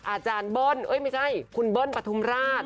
อาจารย์เบิ้ลไม่ใช่คุณเบิ้ลปฐุมราช